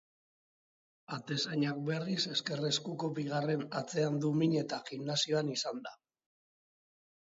Atezainak berriz, ezker eskuko bigarren hatzean du min eta gimnasioan izan da.